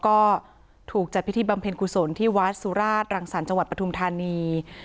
ก็ถูกจัดพิธีบำเพ็ญกุศลที่วัดสุราชรังสรรค์จังหวัดปทุมธานี